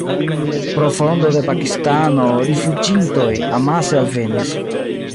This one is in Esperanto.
Pro fondo de Pakistano rifuĝintoj amase alvenis.